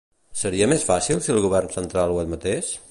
Seria més fàcil si el govern central ho admetés?